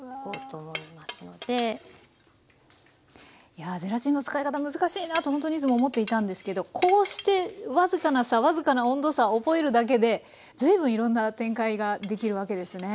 いやゼラチンの使い方難しいなとほんとにいつも思っていたんですけどこうして僅かな差僅かな温度差覚えるだけで随分いろんな展開ができるわけですね。